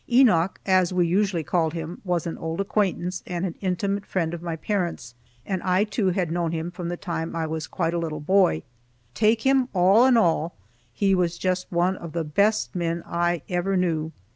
Enoch, as we usually called him, was an old acquaintance and intimate friend of my parents, and I too had known him from the time I was quite a little boy. Take him all in all, he was just one of the best men I ever knew.